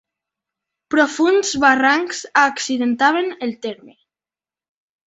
Profunds barrancs accidentaven el terme.